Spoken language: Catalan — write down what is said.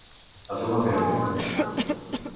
A tomar vent!